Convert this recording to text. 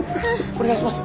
お願いします。